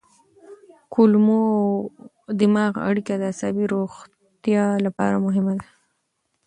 کولمو او دماغ اړیکه د عصبي روغتیا لپاره مهمه ده.